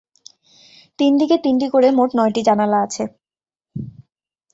তিন দিকে তিনটি করে মোট নয়টি জানালা আছে।